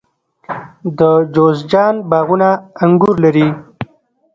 د جوزجان باغونه انګور لري.